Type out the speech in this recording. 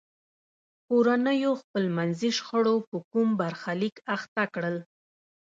کورنیو خپلمنځي شخړو په کوم برخلیک اخته کړل.